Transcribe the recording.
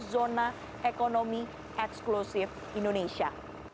zona ekonomi eksklusif indonesia